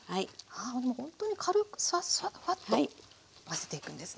ほんとに軽くサッサッフワッと混ぜていくんですね。